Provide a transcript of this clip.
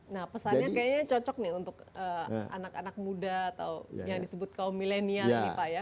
nah pesannya kayaknya cocok nih untuk anak anak muda atau yang disebut kaum milenial nih pak ya